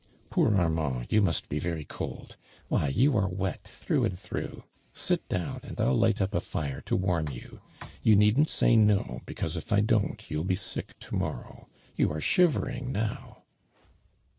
" Poor Armand, you must bo very cold ! Why, you are wet through and through 1 Sit down and I'll light up a tire to warm you. You need'nt say no, becausq if i don't, you'll be sick to morrow. You are shivering now."